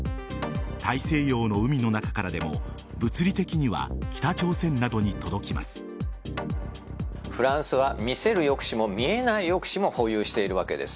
大西洋の海の中からでも物理的には北朝鮮などに届きます。